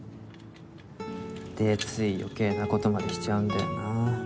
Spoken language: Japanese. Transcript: でつい余計な事までしちゃうんだよなあ。